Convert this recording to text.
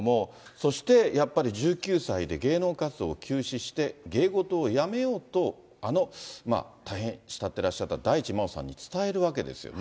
そしてやっぱり１９歳で芸能活動を休止して、芸事をやめようと、あの大変慕ってらっしゃった大地真央さんに伝えるわけですよね。